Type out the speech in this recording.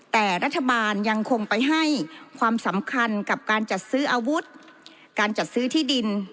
แต่รัฐบาลยังคงไปให้ความสำคัญกับการจัดซื้ออาวุธการจัดซื้อที่ดิน